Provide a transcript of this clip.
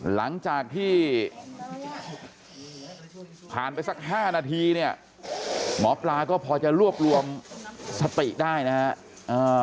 หลังจากที่ผ่านไปสักห้านาทีเนี่ยหมอปลาก็พอจะรวบรวมสติได้นะฮะ